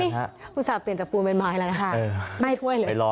อุตส่าห์เปลี่ยนจากปูนเป็นไม้แล้วนะคะไม่ถ้วยเลย